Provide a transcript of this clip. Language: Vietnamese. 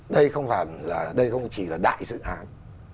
đây không chỉ là đại dự án